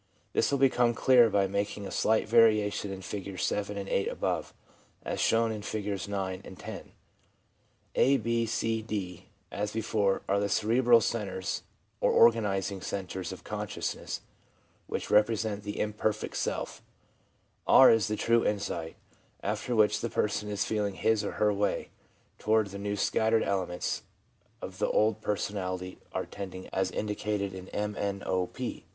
This will become clear by making a slight variation on Figures 7 and 8 above, as shown in Figures 9 and 10. A, B, C, D, as before, are the cerebral centres, or organising centres of conscious ness, which represent the imperfect self; r is the true insight after which the person is feeling his or her way, toward which the scattered elements of the old per sonality are tending, as indicated in m, n, o,p.